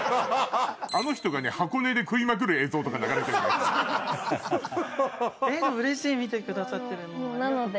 あの人がね箱根で食いまくる映像とか流れてるの。